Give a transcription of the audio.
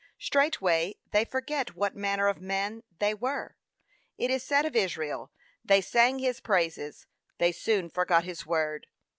Straightway they forget what manner of men they were. It is said of Israel, they sang his praises, they soon forgot his word.